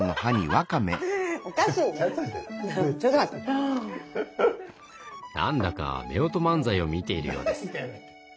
なんだか夫婦漫才を見ているようです。